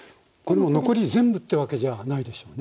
残り全部ってわけじゃないでしょうね。